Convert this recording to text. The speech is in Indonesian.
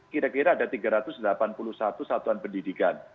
kira kira ada tiga ratus delapan puluh satu satuan pendidikan